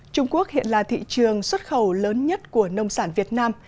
trung quốc hiện là thị trường xuất khẩu lớn nhất của nông sản việt nam